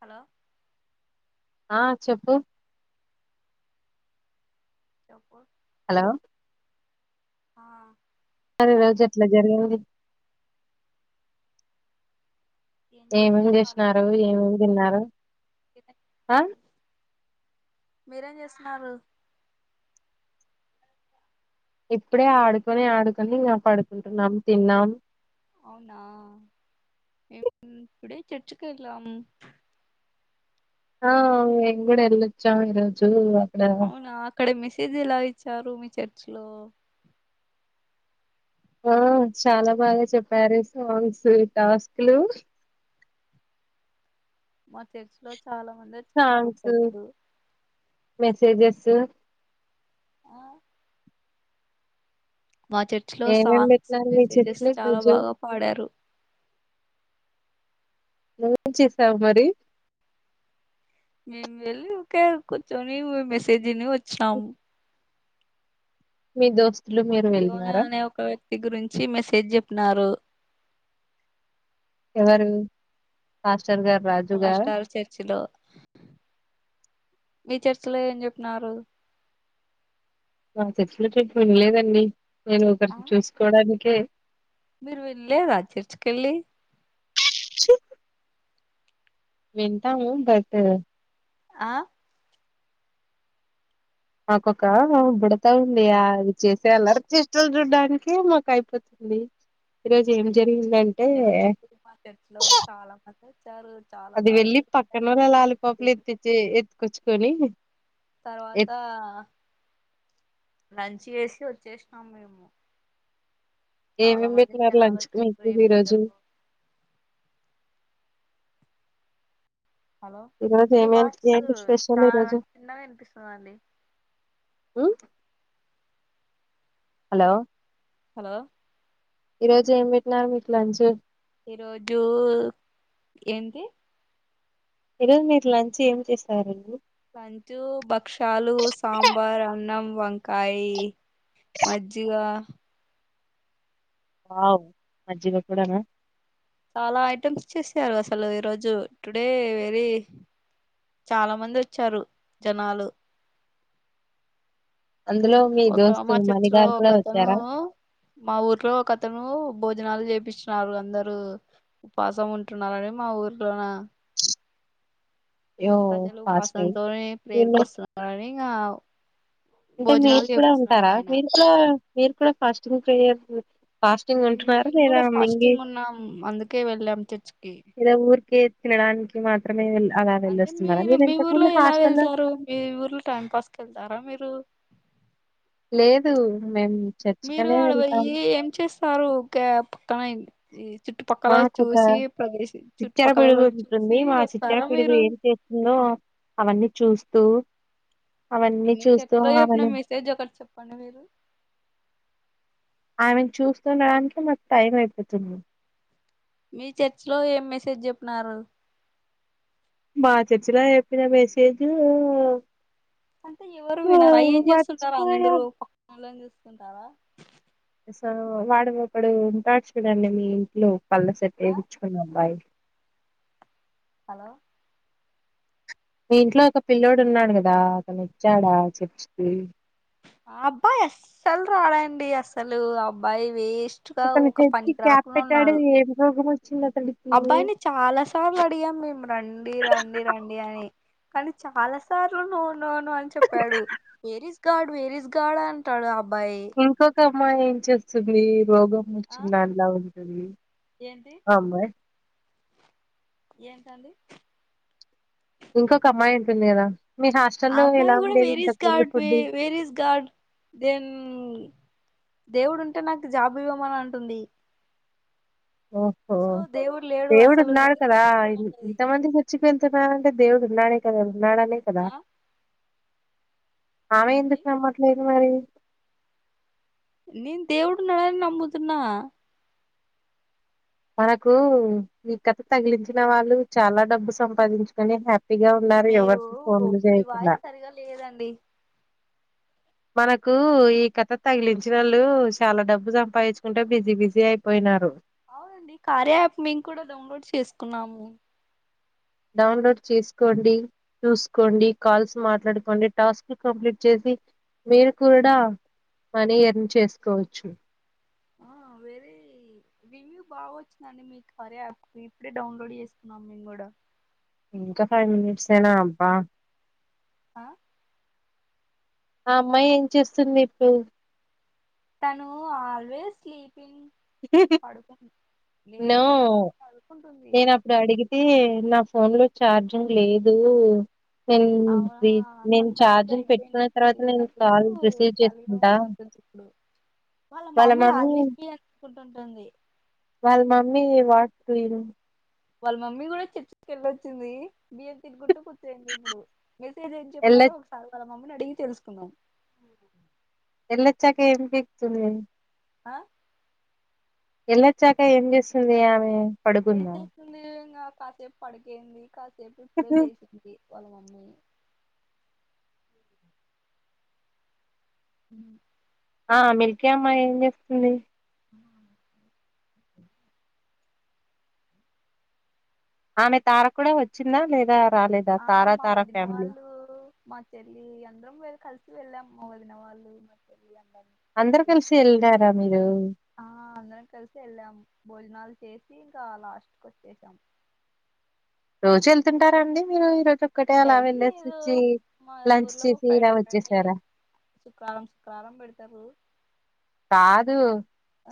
Hello ఆ చెప్పు చెప్పు హలో ఆ మరి ఈ రోజు ఎట్లా జరిగింది ఏం ఏమిమి చేస్తున్నాం ఖాళీగానే చేసినారు ఉన్నాం ఏమిమి తిన్నారు ఆ మీరేం చేస్తున్నారు ఇప్పుడే ఆడుకొని ఆడుకొని ఇంగ పడుకుంటున్నాం తిన్నాం అవునా ఇ ఇప్పుడే చర్చికి వెళ్ళాం ఆ మేముగుడ ఎల్లి వచ్చం ఈ రోజు అవునా అక్కడ మెసేజ్ ఎలా ఇచ్చారు మీ చర్చ లో ఆ చాలా బాగా చెప్పారు. సాంగ్స్, టాస్క్ లు మా తెర్చలో చాలా మంది వచ్చన్నారు సాంగ్స్ ప్రజలు. జు ఆ మా చర్చి లో ఏమేమి సాంగ్స్, పెట్టినారు మీ మెసేజెస్ చెట్లు చాలా గుజు బాగా పాడారు. నువ్వు ఏం చేశావు మరి మేము వెళ్ళి వుకే కూచొన్ని మెసేజ్ విన్నీ వచ్చినాము మీ దోస్త్ యవనా అనే ఒక వ్యక్తి, గురించి మెసేజ్ చెప్పినారు. ఎవరు మాస్టర్ గారు రాజు గారు పాస్టర్ చర్చి లో మీ చర్చలో ఏం చెప్పినరు మా చర్చిలో వినలేదండి నేను ఆ ఒకరి చూసుకోడానికే మీరు తినలేదా చర్చికి వెళ్లి వింటాము బట్ ఆ మాకొక బుడతా ఉండి ఆ అవి చేసే అలరిష్టలు చూడ్డానికి మాకు అయిపోతుంది అది ఈరోజు ఏం జరిగింది లేద మార్కెట్ లో చాలా మంది వచ్చారు చాలా అది బాగా వెళ్ళి పక్కనన్న జరిగిందండి లాలిపాపులు ఎత్తిచ్చ ఎత్తుకొచ్చుకొని తర్వాత ఎత్ లంచ్ వేసి వచ్చేసినాం మేము చాలా ఏమేమి మంది పెట్టిన జనాలు లంచ్ కి వచ్చారు ఏ పెట్టినారు ఈరోజు ప్రజలు హలో ఈ రోజు మీ ఏమేం వాసు ఏంటి స్పెషల్ ఈ చాల రోజు చిన్నగా వీ నిపిస్తుందా అండి ఉ హలో హలో ఈ రోజు ఏం పెట్టిన ఏమి పెట్టినారు లంచ్ ఈరోజు ఏంటి ఈరోజు మీరు లంచ్ ఏం చేస్తారండి భక్షాలు సాంబార్ అన్నం వంకాయ మజ్జిగ మజ్జిగా కూడా నా చాలా ఐటమ్స్ చేసారు అసలు ఈరోజు టుడే వెరీ చాలా మంది వచ్చారు జనాలు అందులో మీ ఒక దోస్తు మా చర్చిలో మణిగారు ఒక కూడా అతను వచ్చారా మా ఊరు లో ఒక అతను బో జనాలు చేపిస్తున్నారు అందరు ఉపాసం ఉంటన్నారనే మా ఊర్లోనే యో ప్రజలు ఫాస్టింగ్ ఉపాసనతో వీళ్ళు ప్రేరుకొస్తున్నని ఇంకా అంటే మీరు కూడా ఉంటారా మీరు కూడా మీరు కూడా ఫాస్టింగ్ ప్రేయర్ ఫాస్టింగ్ ఉంటున్నారా మేము లేదా కూడా మింగి ఫాస్టింగ్ ఉన్నాం అందుకే వెళ్ళాం చర్చ్ కి లేదా ఊరికే తిడానికి మాత్రమే అలా అంటే వెళ్ళొస్తున్నారా మీరు మీ ఇంతకు ఊర్లో ముందు ఎలా హాస్టల్లో వెళ్తారు మీ ఊర్లో టైం పాస్కి వెళ్తారా మీరు లేదు మేము మీరు చర్చికనే ఆడ పోయి వెళ్తాం ఏం చేస్తారు ఒక పక్కన చుట్టుపక్కల మాకొక చూసి ప్రదేశ చిచ్చర చుట్టుపక్కల పిడుగు ఉంటుంది చూసి మా చిచ్చర వస్తారా పిడుగు మీరు ఏం చేస్తుందో అవన్నీ చూస్తూ ఏం అవన్నీ చూస్తూ చెప్తారో ఎట్లా చెప్పిన ఆమెను మెసేజ్ ఒకటి చెప్పండి మీరు ఆమె చూస్తుండడానికి మాకు టైం అయిపోతుంది మీ చర్చిలో ఏం మెసేజ్ చెప్పన్నారు మా చర్చలా చెప్పిన మెసేజ్ అంటే ఎవరు వినారా ఏం చేస్తుంటారా మర్చిపోయా అందరు చేస్తుంటారా వాడప్పుడు ఉంటాడుచుకుడండి మీ ఇంట్లో పళ్ళ సెట్ ఆ వేమిచ్చుకుని అబ్బాయి హలో మీ ఇంట్లో ఒక పిల్లోడు ఉన్నాడు కదా అతను వచ్చాడా చర్చికి అబ్బాయి అస్సలు రాడండి అసలు అబ్బాయి వేస్ట్ వేస్ట్ గా అతని ఒక హెడ్ కి పనికి క్యాప్ రాకుండా పెట్టాడు ఉన్నాడు ఏం రోగం వచ్చింది అతడికి అబ్బాయిని చాలా సార్లు అడిగాం మేము రండి రండి రండి అని కానీ చాలా సార్లు నో నో నో అని చెప్పాడు where is God where is God అంటాడు అబ్బాయి ఇంకొక అమ్మాయి ఏం చేస్తుంది రోగం వచ్చిన దానిలాగా ఉంటుంది ఏంది ఆ అమ్మాయి ఏంటండీ ఇంకొక అమ్మాయి ఉంటుందికదా ఆ అమ్మాయి కూడా where is God food where is God then దేవుడు ఉంటే నాకు జాబు ఇవ్వమని అంటుంది ఓహో సో దేవుడు లేడు దేవుడు అసలు ఉన్నాడు కదా ఎందుకంటది ఇంత మంది చచ్చిపోతున్నా దేవుడు ఉన్నాడే కదా ఉన్నాడనే కదా ఆ ఆమె ఏంటి ఎందుకు నమ్మట్లేదు మరి నేను దేవుడు ఉన్నాడని నమ్ముతున్నా మనకు ఈ కథ తగిలించిన వాళ్ళు చాలా డబ్బు సంపాదించుకుని హ్యాపీ మీరు మీ వాయిస్ సరిగా లేదండి మనకు ఈ కథ తగిలించిన వాళ్ళు చాలా డబ్బు సంపాదించుకుంటే బిజీ బిజీ అయిపోయినారు అవునండి కార్య యాప్ మేము కూడా డౌన్లోడ్ చేసుకున్నాము డౌన్లోడ్ చేసుకోండి చూసుకోండి కాల్స్ మాట్లాడుకోండి టాస్క్ కంప్లీట్ చేసి మీరు కూడా మనీయర్న్ చేసుకోవచ్చు ఆ వెరీ రివ్యూ బాగా వచ్చిందండి మీ కార్య యాప్ ఇప్పుడే డౌన్లోడ్ చేసుకున్నాం మేము కూడా ఇంకా ఫైవ్ మినిట్స్ ఏనా అబ్బా ఆ ఆ అమ్మాయి ఏం చేస్తుంది ఇప్పుడు తను ఆల్వేస్ స్లీప్ పడుకుంది నో లేదుతను పడుకు నేను అప్పుడు అడిగితే నా ఫోన్ లో ఛార్జింగ్ లేదు నేను అవునా ఫ్రీ నేను తను తాత ఛార్జింగ్ పెట్టుకున్న తర్వాత అయిపోయినట్టుంది నేను కాల్ రిసీవ్ చేసుకుంటా ప్పుడు వాళ్ళ మమ్మీ ఆల్వేస్ ఫ్రీ అనుకుంటుంది వెరు వాళ్ళ మమ్మీ కూడా చర్చికిళ్ళొచ్చింది బియ్యం తినుకుంటూ ఇప్పుడు మెసేజ్ ఏం ఎళ్ళ చెప్పినారో ఒకసారి వాళ్ళ మమ్మీని అడిగి తెలుసుకుందాం ఎల్లోచాక ఏం పీకుతుంది ఆ ఎళ్లొచ్చాక ఏం చేస్తుంది ఆమె ఏం పడుకుందా. చేస్తుంది ఇంగా కాసేపు పడికోయింది కాసే ఇప్పుడే లేసింది వాళ్ళ మమ్మీ హ ఆ మిల్కీ అమ్మ ఏం చేస్తుంది [inaudible] ఆమె తార కూడా వచ్చిందా లేదా రాలేదా ఆ తారా మా తారా వదిన ఫ్యామిలీ వాళ్ళు మా చెల్లి అందరం కలిసి వెళ్ళాము మా వదిన వాళ్ళు మా చెల్లి అందరం అందరు కలిసి వెళ్లారా మీరు ఆ అందరం కలిసి వెళ్ళాం భోజనాలు చేసి ఇంకా లాస్ట్కి వచ్చేసాం రోజు వెళ్తుంటారండి మీరు ఈ రోజు ఒక్కటే అలా డైలీ వెళ్ళేసి లేదు వచ్చి మా లంచ్ చేసి ఇలా వచ్చేసారా శుక్రారం శుక్రారం పెడతారు కాదు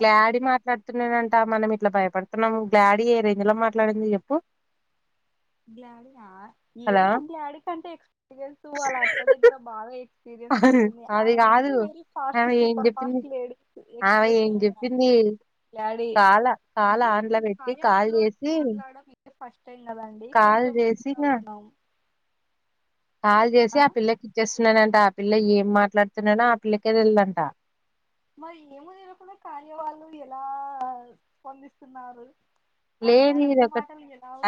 ఆ మాట్లాడుత తున్నాడట మనం ఇట్లా భయపడుతున్నాము గ్లాడీ ఏ రేంజ్ లో మాట్లాడింది చెప్పు గ్లాడయా హలో ఏమో గ్లాడీ కంటే ఎక్స్పీరియన్స్ వాళ్ళ అత్త దగ్గర బాగా ఎ ఎక్స్పీరియన్స్ వచ్చింది అది ఆయమె కాదు ముంచే వెరీ ఫాస్ట్ ఆమె ఏం సూపర్ చెప్పింది ఫాస్ట్ లేడీస్ ఆమె ఎక్స్ప్రెస్ ఏం ఆమా చెప్పింది గ్లాడి కాల కాల్ అంటే మేం ఆన్ల పెట్టి కార్యా యాప్ కాల్ లో చేసి మాట్లాడడం ఇదే ఫస్ట్ టైం కదా కాల్ కొంచం చేసి ఇంగ అవుతున్నాం కాల్ చేసి ఆ పిల్లకి ఇచ్చేస్తున్నానంట పిల్ల ఏం మాట్లాడుతున్ననో ఆ పిల్లకే తెల్దంట మరి ఏమీ తెలుకుండా కార్య వాళ్ళు ఎలా స్పందిస్తున్నారూ లేదు ఇది ఒక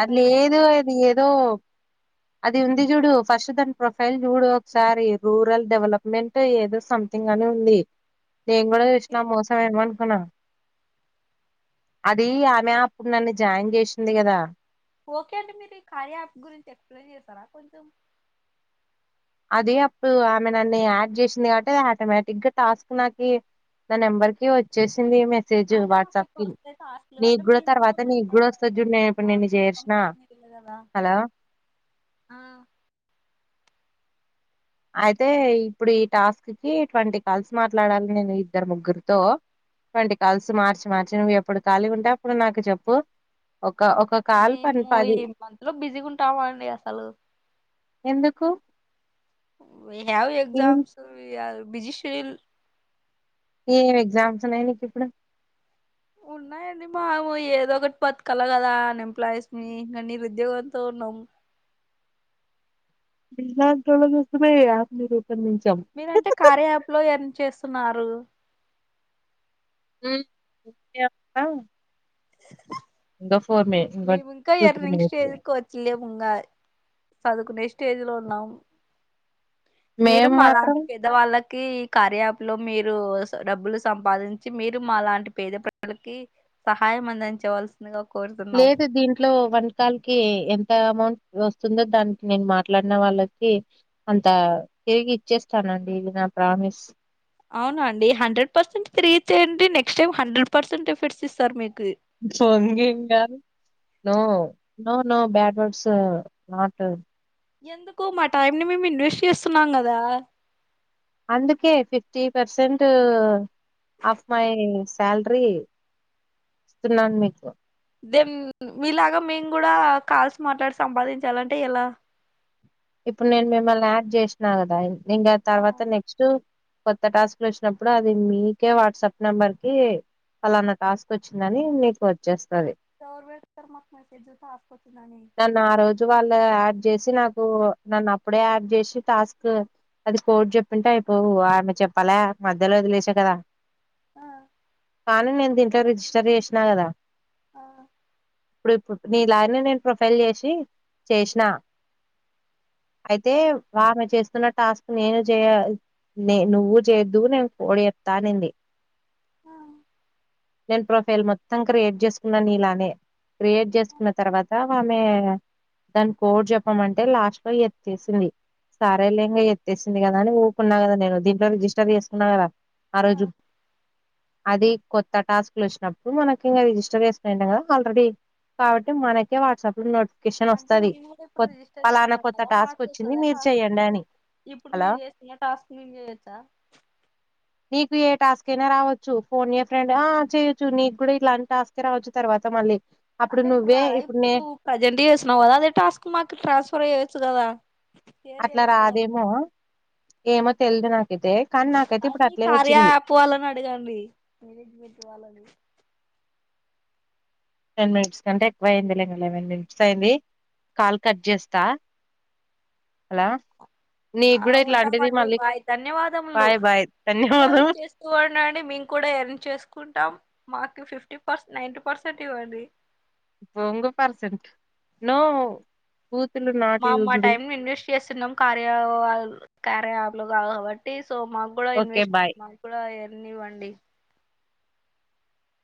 అది లేదూ వాళ్ళకి అది ఏదో అది ఉంది చూడూ ఫస్ట్ దానిన ప్రొఫైల్ చూడు ఒక్సారి రూరల్ డెవలప్మెంట్ ఏదో సంథింగ్ గానే ఉంది నేను గుడా ఏంటి చష్న మోసం ఏమొనుకున్నా అది ఆమె నన్ను జాయిన్ చేషింది గదా ఓకే అండి మీర్ ఈ కార్యాప్ గురించి ఎక్స్ప్లెయిన్ చేస్తరా కొంచెం అదీ అప్పుడూ ఆమె నన్ను యాడ్ చేసింది కావట్టె ఆటోమేటిక్గా టాస్క్ నాకీ న నెంబర్ కె వచ్చేస్ మెసేజ్ అంటే మాకు వాట్సాప్ కి ఫస్ట్ అయితే హాస్టల్ నీ అంటే గుడా మేము కూడా తర్వాత నీ గుడా వస్తది చూడు నేన్ ఇప్పుడ్ నిన్న చేర్షన దా ఆ [inaudible] అయితే ఇప్పుడు ఈ టాస్క్ కి ట్వంటీ కాల్స్ మాట్లాడాలి నేను ఇద్దర్ ముగ్గుర్తో ట్వంటీ కాల్స్ మార్చి మార్చి నువ్వు ఎప్పుడు ఖాళీ ఉంటే అప్పుడు నాకి చెప్పు ఒక కాల్ పని మేమూ పది ఈ మంత్ లో బిజీ ఉంటాము అండి అసలు ఎందుకు వుయ్ హావ్ ఏం ఎగ్జామ్స్ బిజీ షీల్ ఏం ఎగ్జామ్స్ ఉన్నయ్ నీక్ ఇప్పుడు ఉన్నాయండి మాము ఏదో ఒకట్ బతుకాల కదా అన్ ఎంప్లాయీస్ ని నిరు ఉద్యోగంతో నం ఇలాంటోల్ల కోసమే ఈ యాప్ మరి మీరంటే కార్య యాప్ లో ఎర్న్ చేస్తున్నారు మ్ [unintelligible] మేమింకా two three earnings minutes stage కోట్లే ఇంగాయ్ సదువుకునే స్టేజ్ లో ఉన్నాం మీరు మేం మాత్రం మాలాంట్ పెదవాళ్ళక్ కీ కార్యాప్ లో మీరు డబ్బులు సంపాదించి మీరు మాలాంటి పేద ప్రజలకి సహాయం అందించవలసిందిగా కోరుతున్నాం ఇంట్లో వంటకాల్ కి ఎంత అమౌంట్ వస్తుందో దానికి నేన్ మాట్లాడిన వాళ్ళకి తా తిరిగి ఇచ్చేస్తానండి ఇది నా ప్రామిస్ అవున అండి హండ్రెడ్ పర్సెంట్ తిరిగి ఇచ్చేయండి next time hundred percent efforts ఇస్తార్ మీకు బొంగేం గాదు no no no bad words not ఎందుకు మా టైం ని మేమ్ ఇన్వెస్ట్ చేస్తున్నాం గదా అందుకే fifty percent of my salary ఇస్తున్నాన్ మీకు దెన్ మీలాగా మేమ్ గుడా కాల్స్ మాట్లాడి సంపాదించాలంటే ఎలా ఇప్పుడ్ నేన్ మిమ్మల్ని యాడ్ చేష్న గదా ఇంగ ఆ తర్వాత నెక్స్టు కొత్త టాస్క్లు ఒచ్చినప్పుడు అది మీకే వాట్సాప్ నెంబర్ కీ పలలనా టాస్క్ వచ్చిందని నీకు వచ్చేస్త్ ఎవరు పెడుతర్ మాకు మెస్సేజ్ టాస్క్ ఒచ్చిందని ఓ నన్ను అప్పుడే యాడ్ చేసి టాస్క్ అది కోడ్ చెప్పుంటే అయిపోవు ఆమె చెప్పలే మధ్యలోదిలేష కదా ఆ కానీ నేన్ దీంట్లో రిజిస్టర్ చేష్నా గదా ఆ ఇప్పుడ్ ఇప్పుడ్ నీ లాగనె నేను ప్రొఫైల్ చేషి చేష్నా ఐతే వామె చేస్తున్నట్ టాస్క్ నేను చేయ నే నువ్వు చేయొద్దు నేను కోడ్ చెప్తా అనింది ఆ నేను ప్రొఫైల్ మొత్తం క్రియేట్ చేసుకున్న నీలానే క్రియేట్ చేసుకున్న తర్వాత ఆమె దాన్ని కోడ్ చెప్పమంట్ తే లాస్ట్ లో ఎత్తేసింది సరేలే ఈగా ఎత్తేసింది కదా అని ఊకున్నా కదా నేను దీంట్లో రిజిస్టర్ చేసుకున్నా కదా ఆ రోజు అది కొత్త టాస్క్ లు వచ్చినప్పుడు మనకి ఇంకా రిజిస్టర్ చేసుకుని ఉంటాం కదా ఆల్రెడీ కాబట్టి మనకే వాట్సాప్ లో నోటిఫికేషన్ అంటే వస్తది మేము కూడా ఇప్పుడు కొత్ రిజిస్టర్ ఫలానా చేసుకున్నాం కొత్త కదా టాస్క్ మాకు వచ్చింది వస్తదా మీరు టాస్క్ చెయ్యండి ఇప్పుడు అని ఇప్పుడు హలో మీరు చేస్తున్న టాస్క్ మేము చేయొచ్చా నీకు ఏ టాస్క్ అయినా రావచ్చు ఫోన్ ఏ ఫ్రెండ్ ఆ చేయొచ్చు నీకు కూడా ఇలాంటి టాస్క్ రావచ్చు తర్వాత మళ్ళీ అప్పుడు అంటే ఇప్పుడు నువ్వే రాదా ఇప్పుడు నే నువ్వు ప్రజెంట్ చేస్తున్నావు కదా అదే టాస్క్ మాకు ట్రాన్స్పర్ చేయొచ్చు కదా షేర్ అట్లా చేయొచ్చు కదా రాదేమో ఏమో తెలిదు నాకు అన్నీ కార్యయాప్ వాళ్ళని అడగండి మేనేజ్మెంట్ వాళ్ళని టెన్ మినిట్స్ కంటే ఎక్కువ అయింది లే ఇంకా ఎలెవన్ మినిట్స్ అయింది కాల్ కట్ చేస్తా హలో ఆ ఉంటామండి బాయ్ ధన్యవాదములు బాయ్ బాయ్ ఇలాగే ధన్యవాదం చేస్తూ ఉండండి మేము కూడా ఎర్న్ చేసుకుంటాం మాకు ఫిఫ్టీ ఫస్ట్ నైన్టి పర్సెంట్ ఇవ్వండి బొంగు పర్సెంట్ నో బూతులు నాట్ మా మా యూజ్డ్ టైమ్ ని ఇన్వెస్ట్ చేస్తున్నాం కార్య వాళ్ళ కార్య అప్ లొ కా కాబట్టి సో మాకు కూడా ఓకే ఇన్వెస్ట్ బాయ్ మాకు కూడా ఎర్న్ ఇవ్వండి